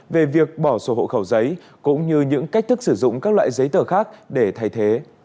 về việc bỏ sổ hộ khẩu giấy cũng như những cách thức sử dụng các loại giấy tờ khác để thay thế